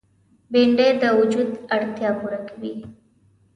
بېنډۍ د وجود اړتیا پوره کوي